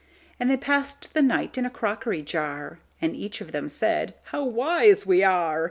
And they pass'd the night in a crockery jar; And each of them said, "How wise we are!